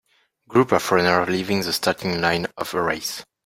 Group of runners leaving the starting line of a race.